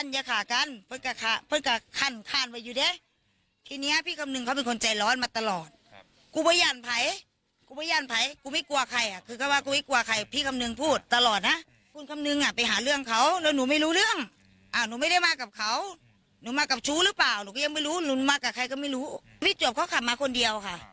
มาคนเดียวค่ะหมอไซค์คนนั้นเขามาคนเดียว